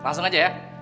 langsung aja ya